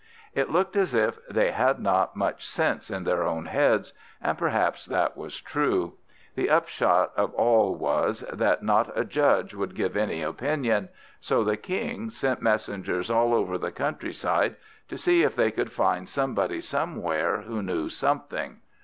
It looked as if they had not much sense in their own heads, and perhaps that was true. The upshot of all was, that not a judge would give any opinion; so the King sent messengers all over the country side, to see if they could find somebody somewhere who knew something.